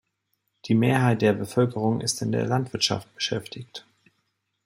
Die Mehrheit der Bevölkerung ist in der Landwirtschaft beschäftigt.